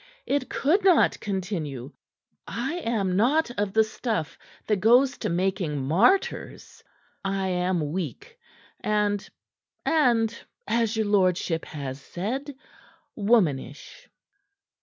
"It could not continue. I am not of the stuff that goes to making martyrs. I am weak, and and as your lordship has said womanish."